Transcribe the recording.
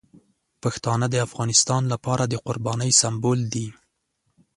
پښتانه د افغانستان لپاره د قربانۍ سمبول دي.